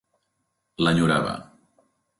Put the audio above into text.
L'enyorava.